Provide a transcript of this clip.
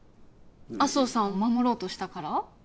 麻生さんを守ろうとしたから？